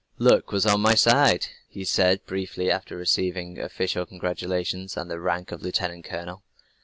"Luck was on my side," he said briefly after receiving official congratulations, and the rank of lieutenant colonel.